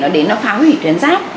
để nó phá hủy tuyến giáp